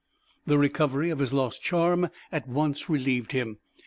The recovery of his lost charm at once relieved him.